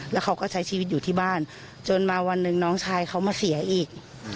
แล้วเขาก็ใช้ชีวิตอยู่ที่บ้านจนมาวันหนึ่งน้องชายเขามาเสียอีก